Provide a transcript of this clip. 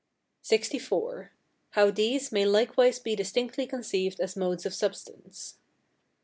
LXIV. How these may likewise be distinctly conceived as modes of substance.